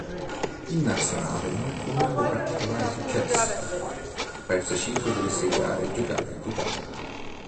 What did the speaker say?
In Nazionale non conobbe particolari successi: perse cinque delle sei gare giocate in totale.